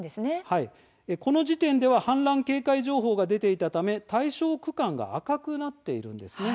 この時点では氾濫警戒情報が出ていたため対象区間が赤くなっているんです。